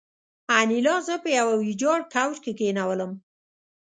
انیلا زه په یوه ویجاړ کوچ کې کېنولم